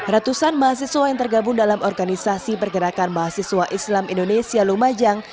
ratusan mahasiswa yang tergabung dalam organisasi pergerakan mahasiswa islam indonesia lumajang